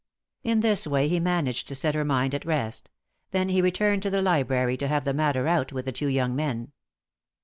In this way he managed to set her mind at rest; then he returned to the library to have the matter out with the two young men.